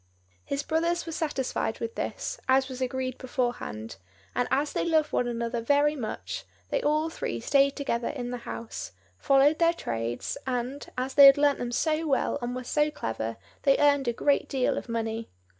His brothers were satisfied with this, as was agreed beforehand; and, as they loved one another very much, they all three stayed together in the house, followed their trades, and, as they had learnt them so well and were so clever, they earned a great deal of money.